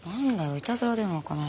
いたずら電話かな？